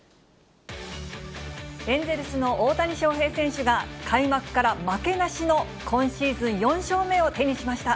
エンゼルスの大谷翔平選手が、開幕から負けなしの今シーズン４勝目を手にしました。